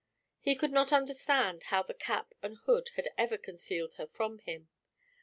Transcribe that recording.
He could not understand how the cap and hood had ever concealed her from him.